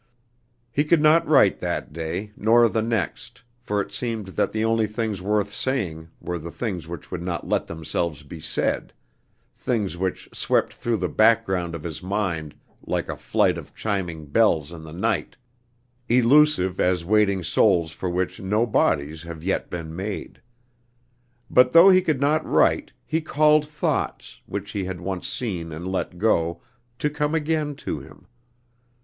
He could not write that day, nor the next, for it seemed that the only things worth saying were the things which would not let themselves be said, things which swept through the background of his mind like a flight of chiming bells in the night, elusive as waiting souls for which no bodies have yet been made. But though he could not write, he called thoughts, which he had once seen and let go, to come again to him.